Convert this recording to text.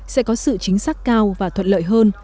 sẽ có sự chính xác cao và thuận lợi hơn